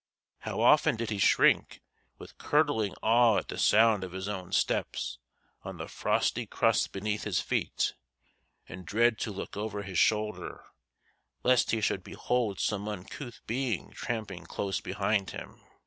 How often did he shrink with curdling awe at the sound of his own steps on the frosty crust beneath his feet, and dread to look over his shoulder, lest he should behold some uncouth being tramping close behind him!